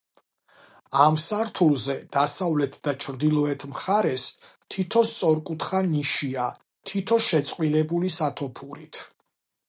ამ სართულზე დასავლეთ და ჩრდილოეთ მხარეს თითო სწორკუთხა ნიშია თითო შეწყვილებული სათოფურით.